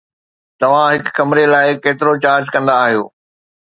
توهان هڪ ڪمري لاء ڪيترو چارج ڪندا آهيو؟